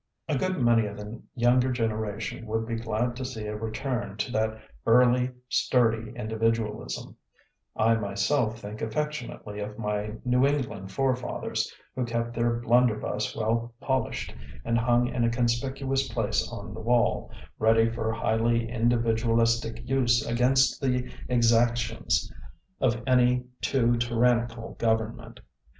A good many of the younger generation would be glad to see a return to that early sturdy in dividualism ; I myself think affection ately of my New England forefathers who kept their blunderbuss well pol ished and hung in a conspicuous place on the wall, ready for highly individu alistic use against the exactions of any too tyrannical government.